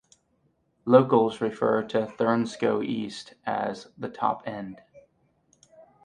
Locals refer to Thurnscoe East as "the top end".